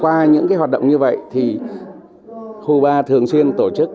qua những hoạt động như vậy thì hubar thường xuyên tổ chức